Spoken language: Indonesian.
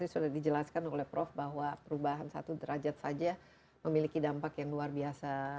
sudah dijelaskan oleh prof bahwa perubahan satu derajat saja memiliki dampak yang luar biasa